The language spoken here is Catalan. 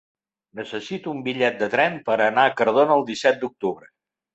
Necessito un bitllet de tren per anar a Cardona el disset d'octubre.